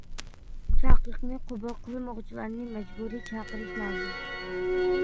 چاقىرىقنى قوبۇل قىلمىغۇچىلارنى مەجبۇرىي چاقىرىش لازىم.